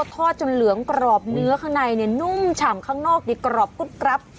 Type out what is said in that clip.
ทอดจนเหลืองกรอบเนื้อข้างในเนี่ยนุ่มฉ่ำข้างนอกกรอบกรุ๊ดกรับ